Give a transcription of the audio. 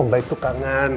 om baik tuh kangen